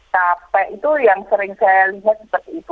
capek itu yang sering saya lihat seperti itu